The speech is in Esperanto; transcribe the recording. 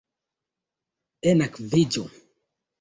Enakviĝu!